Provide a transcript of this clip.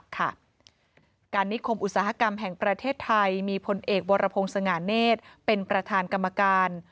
การนิคมอุตสาหกรรมแห่งประเทศไทยมีพลเอกวรพงศ์สง่าเนธเป็นประธานกรรมการ